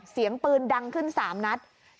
เสียงปืนดังขึ้น๓นัด